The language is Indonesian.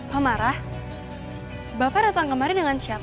pak marah bapak datang kemarin dengan siapa